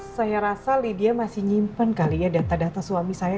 saya rasa lydia masih nyimpen kali ya data data suami saya